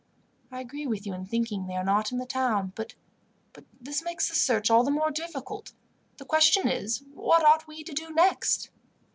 I agree with you in thinking they are not in the town, but this makes the search all the more difficult. The question is, what ought we to do next?"